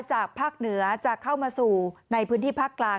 จากภาคเหนือจะเข้ามาสู่ในพื้นที่ภาคกลาง